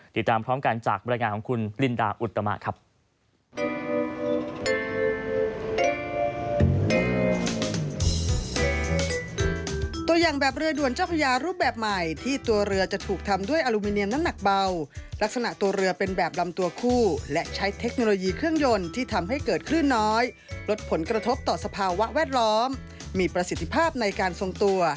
ติดตามพร้อมกันจากบริษัทบริการของคุณลินดาอุตมาครับ